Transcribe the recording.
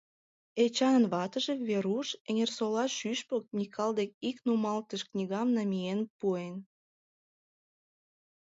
— Эчанын ватыже, Веруш, Эҥерсолаш Шӱшпык Микал дек ик нумалтыш книгам намиен пуэн.